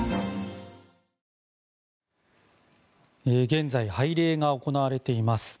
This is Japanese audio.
現在拝礼が行われています。